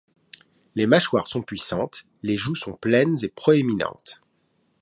Les mâchoires sont puissantes, les joues sont pleines et proéminentes.